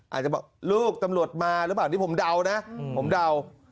อาจจะบอกลูกตำรวจมาหรือเปล่านี่ผมเดานะผมเดา